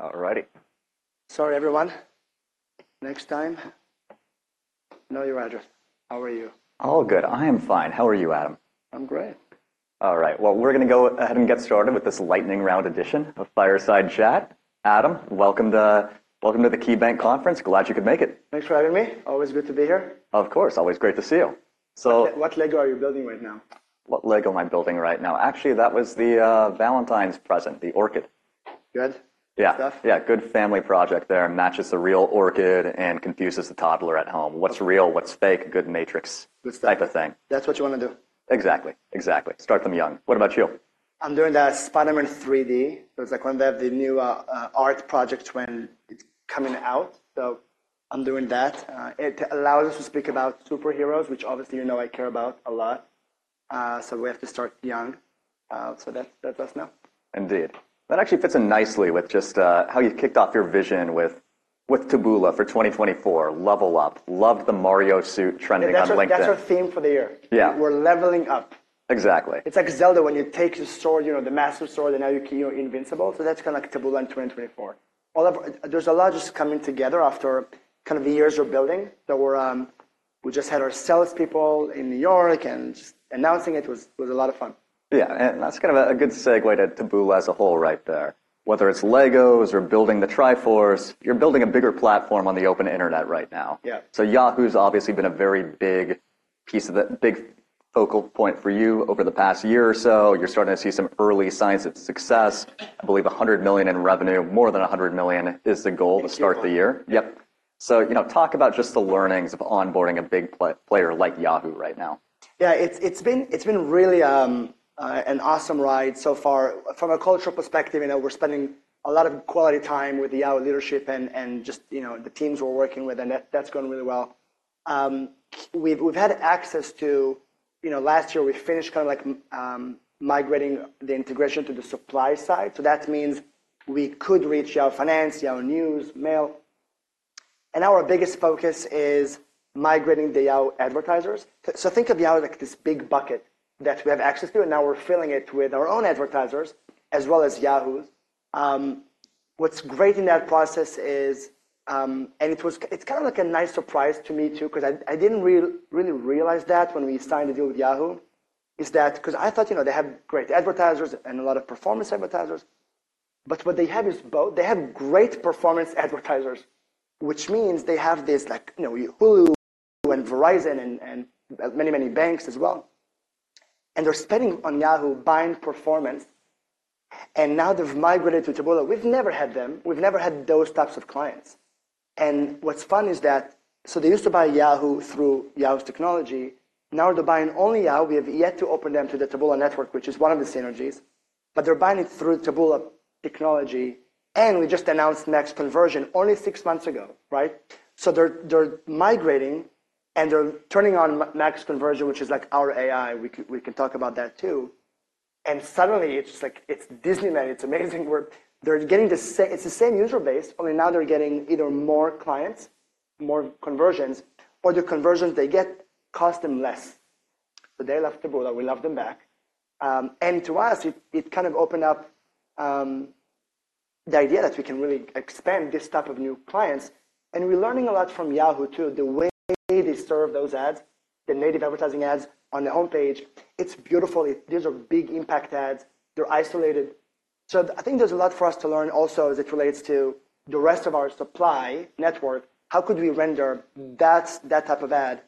All righty. Sorry, everyone. Next time, know your address. How are you? All good. I am fine. How are you, Adam? I'm great. All right. Well, we're gonna go ahead and get started with this lightning round edition of Fireside Chat. Adam, welcome to, welcome to the KeyBanc Conference. Glad you could make it. Thanks for having me. Always good to be here. Of course, always great to see you. What LEGO are you building right now? What LEGO am I building right now? Actually, that was the Valentine's present, the orchid. Good- Yeah... stuff. Yeah, good family project there. Matches the real orchid and confuses the toddler at home. What's real, what's fake? Good matrix- Good stuff - type of thing. That's what you want to do. Exactly, exactly. Start them young. What about you? I'm doing the Spider-Man 3D. It was, like, when they have the new, art project when it's coming out, so I'm doing that. It allows us to speak about superheroes, which obviously, you know I care about a lot. So we have to start young. So that's, that's us now. Indeed. That actually fits in nicely with just how you kicked off your vision with Taboola for 2024. Level up. Loved the Mario suit trending on LinkedIn. That's our, that's our theme for the year. Yeah. We're leveling up. Exactly. It's like Zelda, when you take the sword, you know, the master sword, and now you're invincible, so that's kind of like Taboola in 2024. All of... There's a lot just coming together after kind of the years of building that we're, we just had our salespeople in New York, and just announcing it was a lot of fun. Yeah, and that's kind of a good segue to Taboola as a whole right there. Whether it's Legos or building the Triforce, you're building a bigger platform on the open internet right now. Yeah. Yahoo's obviously been a very big piece of the big focal point for you over the past year or so. You're starting to see some early signs of success. I believe $100 million in revenue, more than $100 million is the goal to start the year. Mm-hmm. Yep. So, you know, talk about just the learnings of onboarding a big player like Yahoo right now. Yeah, it's been really an awesome ride so far. From a cultural perspective, you know, we're spending a lot of quality time with the Yahoo leadership and just, you know, the teams we're working with, and that's going really well. We've had access to... You know, last year, we finished kind of like migrating the integration to the supply side, so that means we could reach Yahoo Finance, Yahoo News, Mail. And now our biggest focus is migrating the Yahoo advertisers. So think of Yahoo like this big bucket that we have access to, and now we're filling it with our own advertisers as well as Yahoo's. What's great in that process is, it's kind of like a nice surprise to me too, 'cause I didn't really realize that when we signed the deal with Yahoo, is that 'cause I thought, you know, they have great advertisers and a lot of performance advertisers, but what they have is both. They have great performance advertisers, which means they have this, like, you know, Hulu and Verizon and many banks as well, and they're spending on Yahoo buying performance, and now they've migrated to Taboola. We've never had them. We've never had those types of clients. And what's fun is that, so they used to buy Yahoo through Yahoo's technology. Now they're buying only Yahoo. We have yet to open them to the Taboola network, which is one of the synergies, but they're buying it through Taboola technology, and we just announced Max Conversion only six months ago, right? So they're migrating, and they're turning on Max Conversion, which is, like, our AI. We can talk about that too. Suddenly, it's just like, it's Disneyland. It's amazing. We're. They're getting the same. It's the same user base, only now they're getting either more clients, more conversions, or the conversions they get cost them less. So they love Taboola. We love them back. To us, it kind of opened up the idea that we can really expand this type of new clients, and we're learning a lot from Yahoo too. The way they serve those ads, the native advertising ads on the homepage, it's beautiful. These are big impact ads. They're isolated. So I think there's a lot for us to learn also as it relates to the rest of our supply network. How could we render that type of ad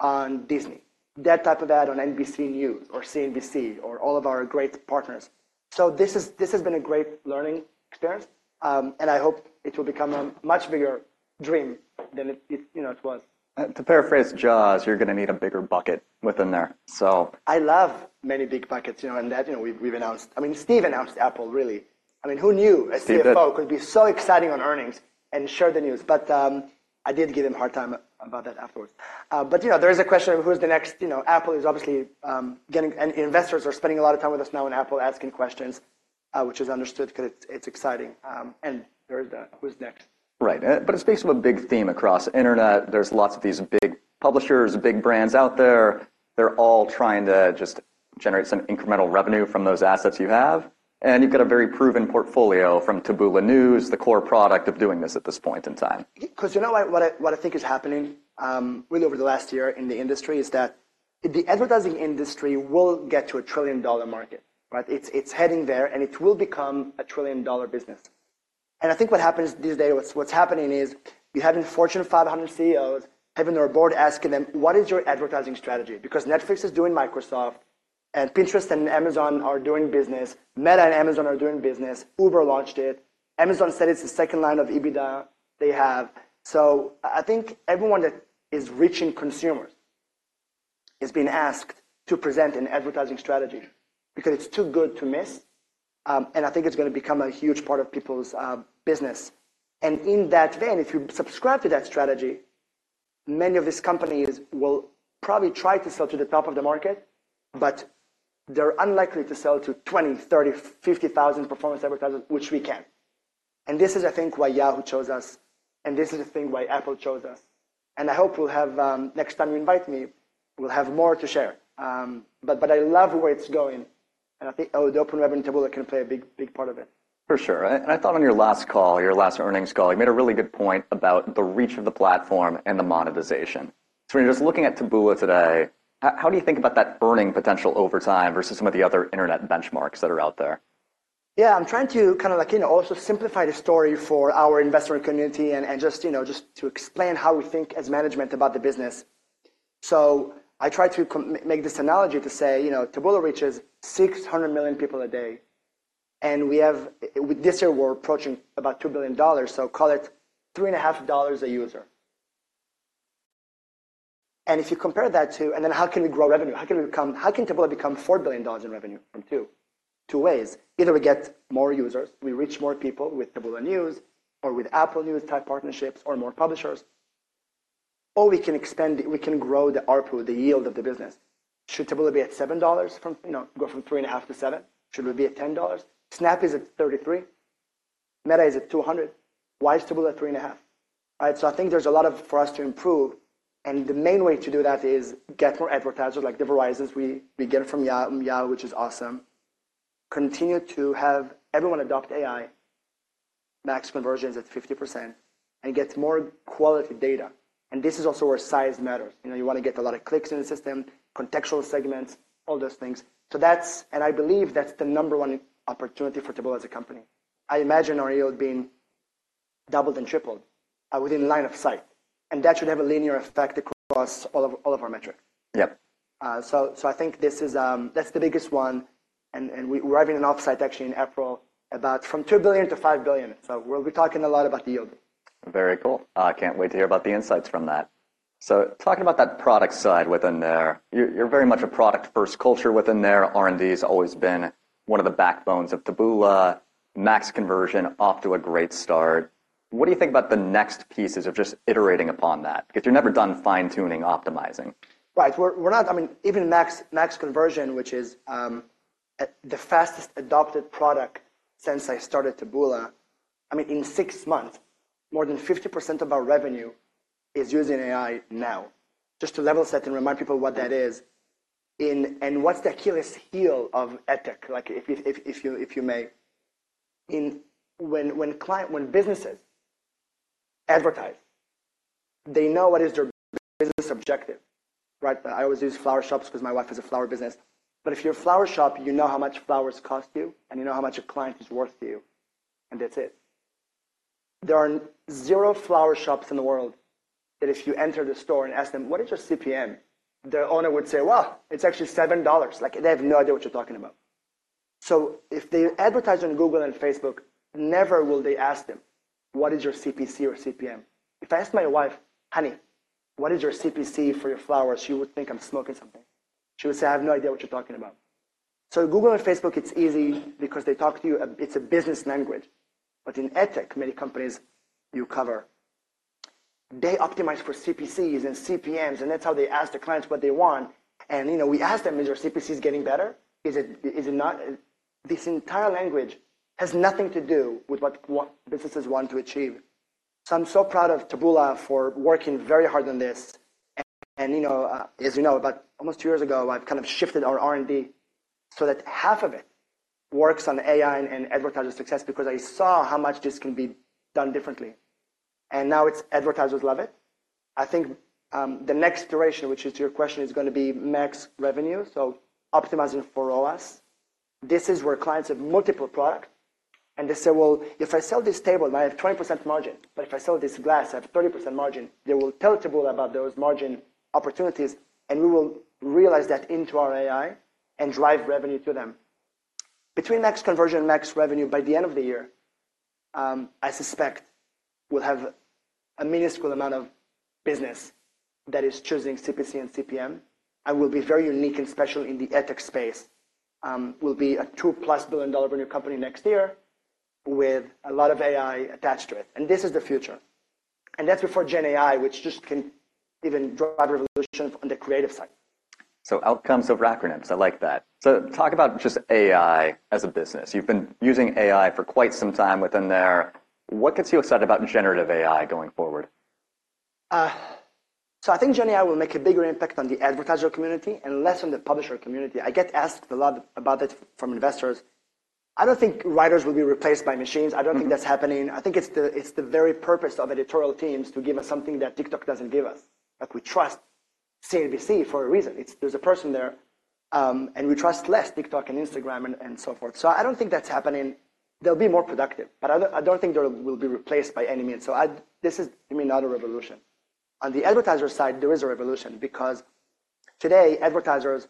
on Disney, that type of ad on NBC News or CNBC or all of our great partners? So this has been a great learning experience, and I hope it will become a much bigger dream than it, you know, it was. To paraphrase Jaws, you're gonna need a bigger bucket within there. So- I love many big buckets, you know, and that, you know, we've announced... I mean, Steve announced Apple, really. I mean, who knew- Steve did... a CFO could be so exciting on earnings and share the news, but, I did give him a hard time about that afterwards. But, you know, there is a question of who's the next, you know, Apple is obviously, getting- and investors are spending a lot of time with us now and Apple asking questions, which is understood 'cause it's, it's exciting. And there is that, who's next? Right. But it's based on a big theme across internet. There's lots of these big publishers, big brands out there. They're all trying to just generate some incremental revenue from those assets you have, and you've got a very proven portfolio from Taboola News, the core product of doing this at this point in time. 'Cause you know what, what I, what I think is happening, really over the last year in the industry is that the advertising industry will get to a trillion-dollar market, right? It's, it's heading there, and it will become a trillion-dollar business. And I think what happens these days, what's, what's happening is you're having Fortune 500 CEOs having their board asking them: What is your advertising strategy? Because Netflix is doing Microsoft, and Pinterest and Amazon are doing business. Meta and Amazon are doing business. Uber launched it. Amazon said it's the second line of EBITDA they have. So I, I think everyone that is reaching consumers is being asked to present an advertising strategy because it's too good to miss, and I think it's gonna become a huge part of people's business. In that vein, if you subscribe to that strategy, many of these companies will probably try to sell to the top of the market, but they're unlikely to sell to 20, 30, 50 thousand performance advertisers, which we can. And this is, I think, why Yahoo chose us, and this is the thing why Apple chose us... and I hope we'll have next time you invite me, we'll have more to share. But, but I love where it's going, and I think, oh, the Open Web and Taboola can play a big, big part of it. For sure, right? I thought on your last call, your last earnings call, you made a really good point about the reach of the platform and the monetization. So when you're just looking at Taboola today, how do you think about that earning potential over time versus some of the other internet benchmarks that are out there? Yeah, I'm trying to kind of like, you know, also simplify the story for our investor community and, and just, you know, just to explain how we think as management about the business. So I try to make this analogy to say, you know, Taboola reaches 600 million people a day, and we have with this year, we're approaching about $2 billion, so call it $3.50 a user. And if you compare that to and then how can we grow revenue? How can Taboola become $4 billion in revenue from $2 billion? Two ways: either we get more users, we reach more people with Taboola News or with Apple News type partnerships or more publishers, or we can expand, we can grow the ARPU, the yield of the business. Should Taboola be at $7 from, you know, go from $3.5 to $7? Should we be at $10? Snap is at $33. Meta is at $200. Why is Taboola at $3.5? Right, so I think there's a lot of for us to improve, and the main way to do that is get more advertisers, like the Verizon we, we get from Yahoo!, which is awesome. Continue to have everyone adopt AI. Max Conversions at 50%, and get more quality data, and this is also where size matters. You know, you want to get a lot of clicks in the system, contextual segments, all those things. So that's and I believe that's the number one opportunity for Taboola as a company. I imagine our yield being doubled and tripled within line of sight, and that should have a linear effect across all of our metrics. Yep. So, I think this is. That's the biggest one, and we're having an off-site actually in April, about from $2 billion-$5 billion, so we'll be talking a lot about the yield. Very cool. I can't wait to hear about the insights from that. So talking about that product side within there, you're, you're very much a product-first culture within there. R&D has always been one of the backbones of Taboola. Max Conversion off to a great start. What do you think about the next pieces of just iterating upon that? Because you're never done fine-tuning, optimizing. Right. I mean, even Max Conversion, which is the fastest adopted product since I started Taboola. I mean, in 6 months, more than 50% of our revenue is using AI now. Just to level set and remind people what that is, and what's the Achilles heel of ad tech, like, if you may. When businesses advertise, they know what is their business objective, right? But I always use flower shops because my wife has a flower business. But if you're a flower shop, you know how much flowers cost you, and you know how much a client is worth to you, and that's it. There are zero flower shops in the world that if you enter the store and ask them, "What is your CPM?" The owner would say, "Well, it's actually $7." Like, they have no idea what you're talking about. So if they advertise on Google and Facebook, never will they ask them, "What is your CPC or CPM?" If I ask my wife, "Honey, what is your CPC for your flowers?" She would think I'm smoking something. She would say, "I have no idea what you're talking about." So Google and Facebook, it's easy because they talk to you, it's a business language. But in ad tech, many companies you cover, they optimize for CPCs and CPMs, and that's how they ask the clients what they want, and, you know, we ask them, "Is your CPCs getting better? Is it, is it not... This entire language has nothing to do with what, what businesses want to achieve. So I'm so proud of Taboola for working very hard on this, and, and, you know, as you know, about almost two years ago, I've kind of shifted our R&D so that half of it works on AI and, and advertiser success because I saw how much this can be done differently, and now it's advertisers love it. I think, the next iteration, which is your question, is gonna be Max Revenue, so optimizing for ROAS. This is where clients have multiple products, and they say, "Well, if I sell this table, I have 20% margin, but if I sell this glass, I have 30% margin." They will tell Taboola about those margin opportunities, and we will realize that into our AI and drive revenue to them. Between Max Conversion and Max Revenue, by the end of the year, I suspect we'll have a minuscule amount of business that is choosing CPC and CPM, and we'll be very unique and special in the ad tech space. We'll be a $2+ billion-dollar revenue company next year with a lot of AI attached to it, and this is the future. That's before Gen AI, which just can even drive revolution on the creative side. So outcomes over acronyms, I like that. So talk about just AI as a business. You've been using AI for quite some time within there. What gets you excited about generative AI going forward? I think Gen AI will make a bigger impact on the advertiser community and less on the publisher community. I get asked a lot about it from investors. I don't think writers will be replaced by machines. Mm-hmm. I don't think that's happening. I think it's the very purpose of editorial teams to give us something that TikTok doesn't give us. Like, we trust CNBC for a reason. It's. There's a person there, and we trust less TikTok and Instagram and so forth. So I don't think that's happening. They'll be more productive, but I don't think they'll be replaced by any means. So I... This is, I mean, not a revolution. On the advertiser side, there is a revolution because today, advertisers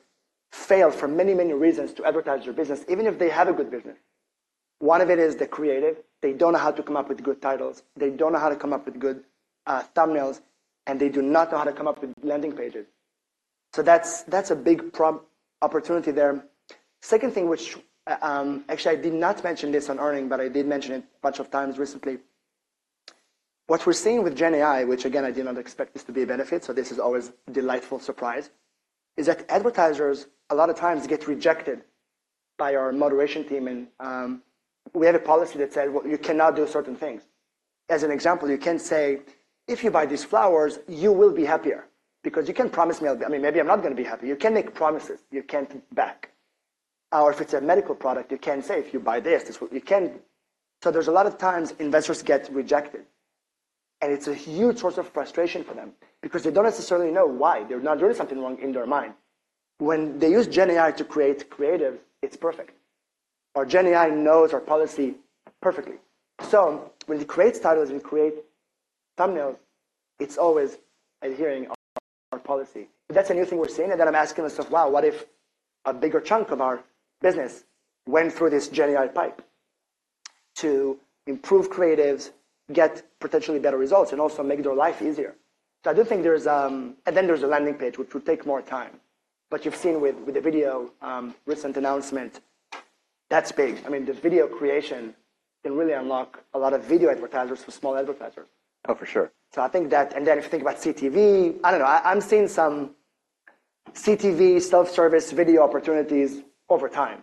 fail for many, many reasons to advertise their business, even if they have a good business. One of it is the creative. They don't know how to come up with good titles, they don't know how to come up with good thumbnails, and they do not know how to come up with landing pages. So that's a big opportunity there. Second thing, which actually, I did not mention this on earnings, but I did mention it a bunch of times recently. What we're seeing with Gen AI, which again, I did not expect this to be a benefit, so this is always delightful surprise, is that advertisers a lot of times get rejected by our moderation team, and we have a policy that says you cannot do certain things. As an example, you can't say, "If you buy these flowers, you will be happier," because you can't promise me I'll be. I mean, maybe I'm not gonna be happy. You can't make promises you can't keep back. Or if it's a medical product, you can't say, "If you buy this, this..." You can't. So there's a lot of times investors get rejected, and it's a huge source of frustration for them because they don't necessarily know why. They're not doing something wrong in their mind. When they use GenAI to create creative, it's perfect, or GenAI knows our policy perfectly. So when it creates titles, we create thumbnails, it's always adhering our policy. That's a new thing we're seeing, and then I'm asking myself: Wow, what if a bigger chunk of our business went through this GenAI pipe to improve creatives, get potentially better results, and also make their life easier? So I do think there's and then there's a landing page, which would take more time, but you've seen with the video recent announcement, that's big. I mean, the video creation can really unlock a lot of video advertisers for small advertisers. Oh, for sure. So I think that and then, if you think about CTV, I don't know. I'm seeing some CTV self-service video opportunities over time.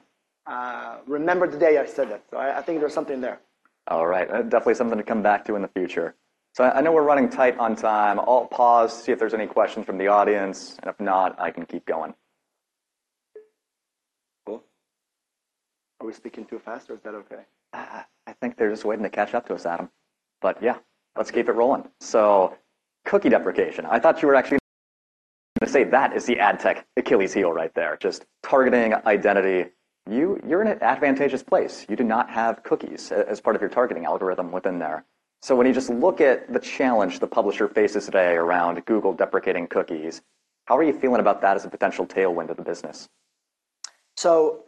Remember today I said that, so I think there's something there. All right, definitely something to come back to in the future. I know we're running tight on time. I'll pause, see if there's any questions from the audience, and if not, I can keep going. Cool. Are we speaking too fast, or is that okay? I think they're just waiting to catch up to us, Adam, but yeah, let's keep it rolling. So cookie deprecation, I thought you were actually gonna say that is the ad tech Achilles heel right there, just targeting identity. You, you're in an advantageous place. You do not have cookies as part of your targeting algorithm within there. So when you just look at the challenge the publisher faces today around Google deprecating cookies, how are you feeling about that as a potential tailwind of the business? So,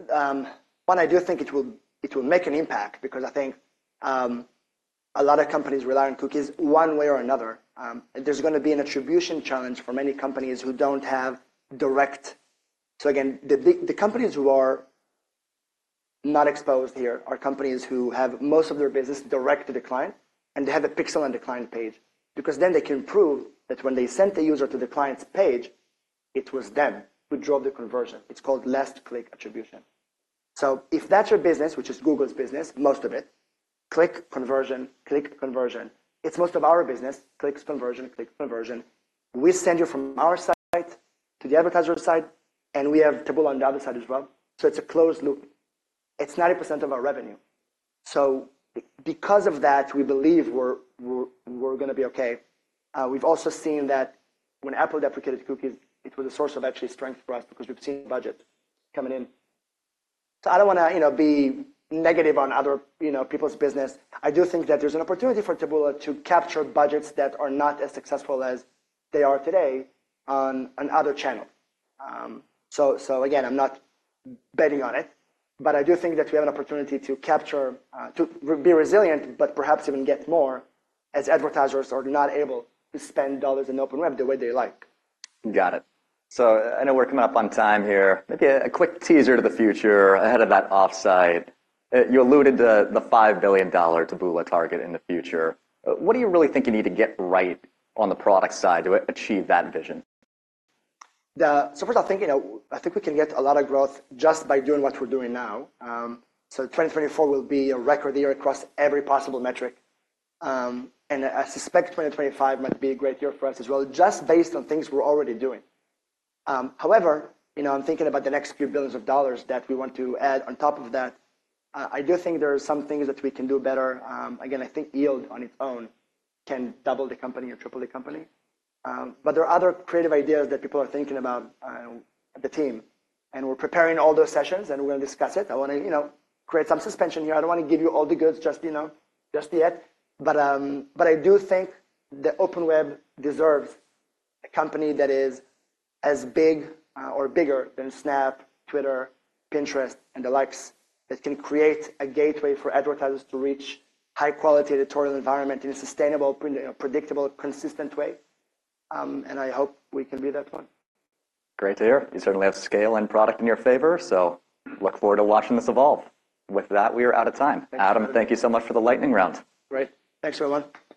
one, I do think it will, it will make an impact because I think a lot of companies rely on cookies one way or another. There's gonna be an attribution challenge for many companies who don't have direct to the client. So again, the companies who are not exposed here are companies who have most of their business direct to the client, and they have a pixel on the client page because then they can prove that when they sent the user to the client's page, it was them who drove the conversion. It's called last-click Attribution. So if that's your business, which is Google's business, most of it, click, conversion, click, conversion. It's most of our business, clicks, conversion, clicks, conversion. We send you from our site to the advertiser site, and we have Taboola on the other side as well, so it's a closed loop. It's 90% of our revenue. So because of that, we believe we're gonna be okay. We've also seen that when Apple deprecated cookies, it was a source of actually strength for us because we've seen budget coming in. So I don't wanna, you know, be negative on other, you know, people's business. I do think that there's an opportunity for Taboola to capture budgets that are not as successful as they are today on other channels. So again, I'm not betting on it, but I do think that we have an opportunity to capture, to be resilient, but perhaps even get more as advertisers are not able to spend dollars in the Open Web the way they like. Got it. So I know we're coming up on time here. Maybe a quick teaser to the future ahead of that offsite. You alluded to the $5 billion Taboola target in the future. What do you really think you need to get right on the product side to achieve that vision? So first, I think, you know, I think we can get a lot of growth just by doing what we're doing now. So 2024 will be a record year across every possible metric. And I suspect 2025 might be a great year for us as well, just based on things we're already doing. However, you know, I'm thinking about the next few $ billion that we want to add on top of that. I do think there are some things that we can do better. Again, I think yield on its own can double the company or triple the company. But there are other creative ideas that people are thinking about, the team, and we're preparing all those sessions, and we'll discuss it. I wanna, you know, create some suspense here. I don't wanna give you all the goods just, you know, just yet. But I do think the Open Web deserves a company that is as big, or bigger than Snap, Twitter, Pinterest, and the likes, that can create a gateway for advertisers to reach high-quality editorial environment in a sustainable, predictable, consistent way. And I hope we can be that one. Great to hear. You certainly have scale and product in your favor, so look forward to watching this evolve. With that, we are out of time. Thank you. Adam, thank you so much for the lightning round. Great. Thanks, everyone.